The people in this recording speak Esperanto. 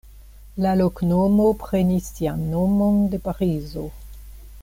La loknomo prenis sian nomon de Parizo.